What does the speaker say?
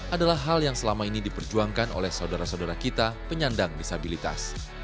adalah hal yang selama ini diperjuangkan oleh saudara saudara kita penyandang disabilitas